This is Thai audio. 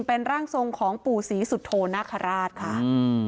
เป็นร่างทรงของปู่ศรีสุโธนาคาราชค่ะอืม